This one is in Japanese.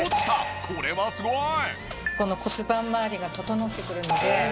これはすごい！